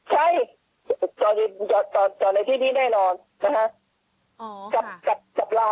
ใช่จอดในที่นี่แน่นอนนะฮะ